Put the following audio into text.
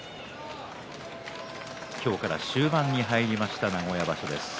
今日から終盤に入りました名古屋場所です。